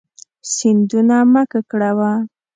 سیندونه مه ککړوه.